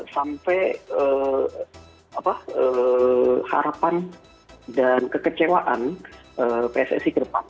sampai harapan dan kekecewaan pssi ke depan